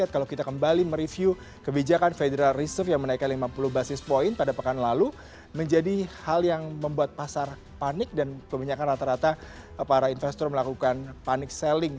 kalau kita kembali mereview kebijakan federal reserve yang menaikkan lima puluh basis point pada pekan lalu menjadi hal yang membuat pasar panik dan kebanyakan rata rata para investor melakukan panik selling